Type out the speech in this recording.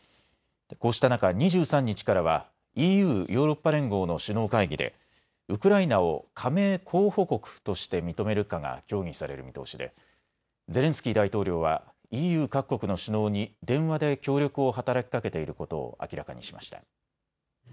こうした中、２３日からはＥＵ・ヨーロッパ連合の首脳会議でウクライナを加盟候補国として認めるかが協議される見通しでゼレンスキー大統領はＥＵ各国の首脳に電話で協力を働きかけていることを明らかにしました。